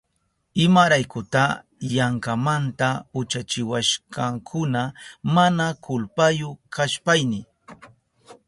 ¿Imaraykuta yankamanta uchachiwashkakuna mana kulpayu kashpayni?